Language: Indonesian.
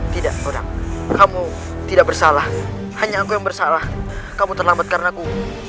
tidak hodak kamu tidak bersalah hanya aku yang bersalah kamu terlambat karena aku